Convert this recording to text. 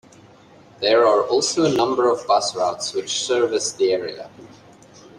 There are also a number of bus routes which service the area.